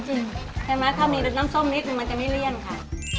ใช่ไหมถ้ามีน้ำส้มนิดนึงมันจะไม่เลี่ยนค่ะ